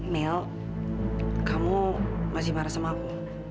mil kamu masih marah sama aku